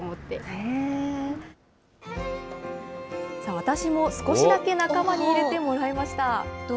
私も少しだけ仲間に入れてもらいました。